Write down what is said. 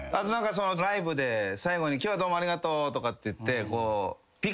ライブで最後に「今日はどうもありがとう」とかって言って。